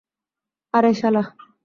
আরে, শালা!